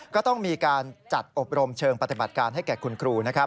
ก็ต้องมีการจัดอบรมเชิงปฏิบัติการให้แก่คุณครูนะครับ